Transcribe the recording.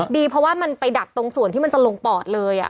ดีเพราะว่ามันไปดักตรงส่วนที่มันจะลงปอดเลย